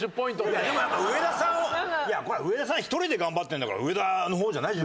でもやっぱ上田さん１人で頑張ってるんだから上田の方じゃない？